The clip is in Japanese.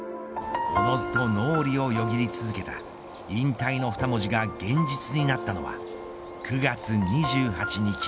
おのずと脳裏をよぎり続けた引退の２文字が現実になったのは９月２８日。